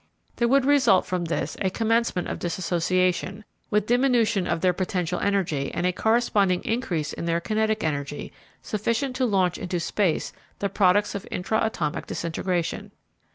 There would result from this a commencement of dissociation, with diminution of their potential energy and a corresponding increase of their kinetic energy sufficient to launch into space the products of intra atomic disintegration.